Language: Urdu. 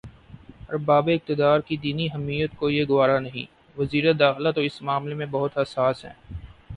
ارباب اقتدارکی دینی حمیت کو یہ گوارا نہیں وزیر داخلہ تو اس معاملے میں بہت حساس ہیں۔